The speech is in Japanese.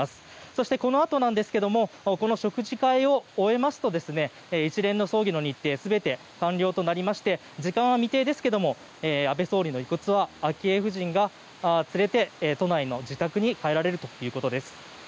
そしてこのあとですがこの食事会を終えますと一連の葬儀の日程全て完了となりまして時間は未定ですが安倍元総理の遺骨は昭恵夫人が連れて都内の自宅に帰られるということです。